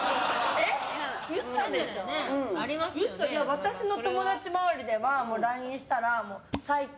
私の友達周りではＬＩＮＥしたら、最高！